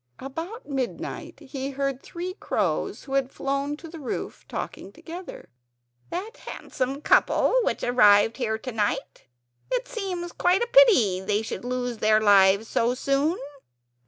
About midnight he heard three crows, who had flown to the roof, talking together. "That's a handsome couple which arrived here tonight. It seems quite a pity they should lose their lives so soon."